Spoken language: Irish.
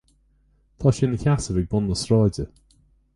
Tá sé ina sheasamh ag bun na sráide.